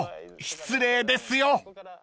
失礼ですよ］